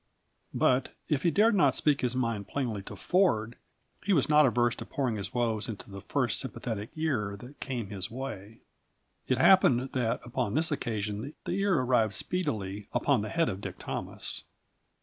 But if he dared not speak his mind plainly to Ford, he was not averse to pouring his woes into the first sympathetic ear that came his way. It happened that upon this occasion the ear arrived speedily upon the head of Dick Thomas.